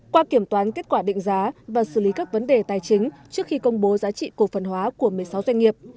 qua kiểm toán kết quả định giá và xử lý các vấn đề tài chính trước khi công bố giá trị cổ phần hóa của một mươi sáu doanh nghiệp